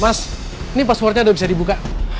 mas ini passwordnya udah bisa dibuka